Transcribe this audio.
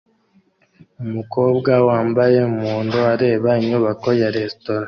Umukobwa wambaye umuhondo areba inyubako ya resitora